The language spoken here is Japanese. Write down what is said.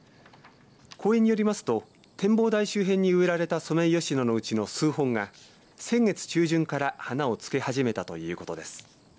公園によりますと展望台周辺に植えられたソメイヨシノの数本が先月中旬から花をつけ始めたということです。